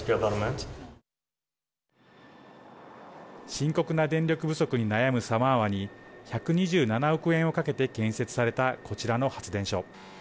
深刻な電力不足に悩むサマーワに１２７億円をかけて建設された、こちらの発電所。